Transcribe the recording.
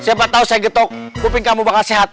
siapa tahu saya getok kuping kamu bakal sehat